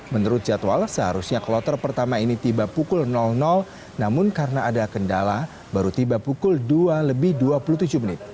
menurut jadwal seharusnya kloter pertama ini tiba pukul namun karena ada kendala baru tiba pukul dua lebih dua puluh tujuh menit